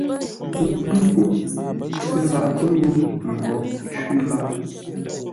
Kwʉ̌ po, pə́ laʼ pə́ ngô ə́ mǒghʼ cwí lâʼ.